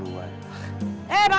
sirum lagi yang minta keluar